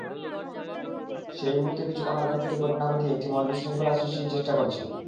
সেই মুহূর্তে কিছু অনাকাঙ্ক্ষিত ঘটনা ঘটিয়ে একটি মহল বিশৃঙ্খলা সৃষ্টর চেষ্টা করছে।